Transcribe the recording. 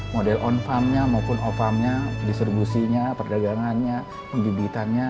model on farm nya maupun off farm nya distribusinya perdagangannya pendidikannya